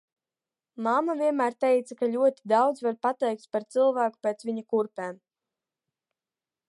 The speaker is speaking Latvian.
Mamma vienmēr teica, ka ļoti daudz var pateikt par cilvēku pēc viņa kurpēm.